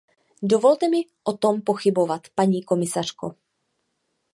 Dovolte mi o tom pochybovat, paní komisařko.